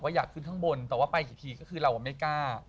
อยากขึ้นข้างบนแต่ว่าไปกี่ทีก็คือเราไม่กล้า